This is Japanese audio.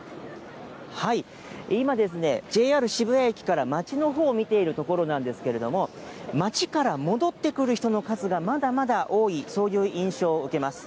今、ＪＲ渋谷駅から街のほうを見ているところなんですけれども、街から戻ってくる人の数がまだまだ多い、そういう印象を受けます。